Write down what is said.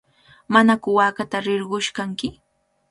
¿Manaku waakata rirqush kanki?